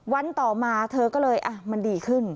วันต่อมาเธอก็เลยมันดีขึ้น